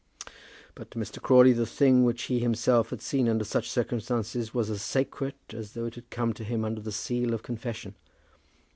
But to Mr. Crawley the thing which he himself had seen under such circumstances was as sacred as though it had come to him under the seal of confession.